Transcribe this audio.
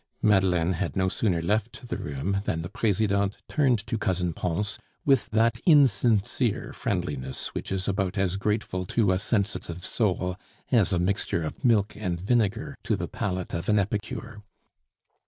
Madeleine had no sooner left the room than the Presidente turned to Cousin Pons with that insincere friendliness which is about as grateful to a sensitive soul as a mixture of milk and vinegar to the palate of an epicure.